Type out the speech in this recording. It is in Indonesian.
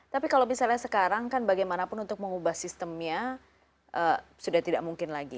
tapi kalau misalnya sekarang kan bagaimanapun untuk mengubah sistemnya sudah tidak mungkin lagi